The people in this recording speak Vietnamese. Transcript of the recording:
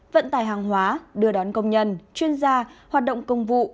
vận tải hàng hóa đưa đón công nhân chuyên gia hoạt động công vụ